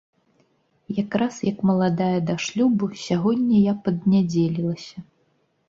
Якраз як маладая да шлюбу, сягоння я паднядзелілася!